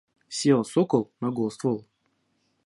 Сел сокол на гол ствол.